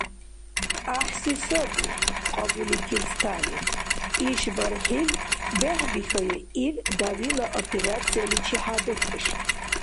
— ГӀяхӀси саби, — кьабуликиб Сталин. — ИшбархӀил бехӀбихьая ил дявила операцияличи хӀядурдеш.